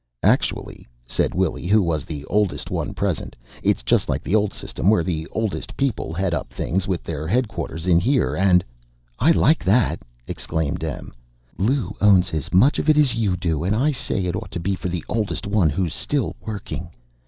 "Actually," said Willy, who was the oldest one present, "it's just like the old system, where the oldest people head up things with their headquarters in here and " "I like that!" exclaimed Em. "Lou owns as much of it as you do, and I say it ought to be for the oldest one who's still working.